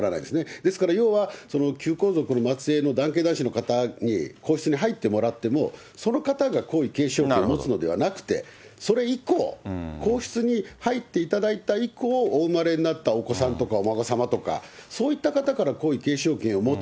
ですから要は、旧皇族の末えいの男系男子の方に皇室に入ってもらっても、この方が皇位継承権を持つのではなくて、それ以降、皇室に入っていただいた以降、お生まれになったお子さんとかお孫さまとか、そういった方から皇位継承権を持つ。